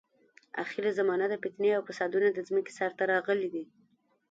اخره زمانه ده، فتنې او فسادونه د ځمکې سر ته راغلي دي.